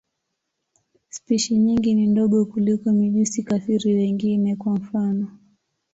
Spishi nyingi ni ndogo kuliko mijusi-kafiri wengine, kwa mfano.